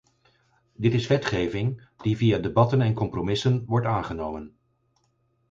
Dit is wetgeving die via debatten en compromissen wordt aangenomen.